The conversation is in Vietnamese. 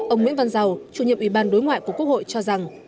ông nguyễn văn giàu chủ nhiệm ủy ban đối ngoại của quốc hội cho rằng